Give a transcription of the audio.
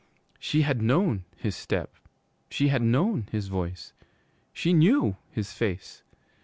She had known his step; she had known his voice. She knew his face.